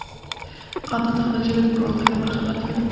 هغه تل د خپلې ژبې د پرمختګ لپاره خدمت کوي.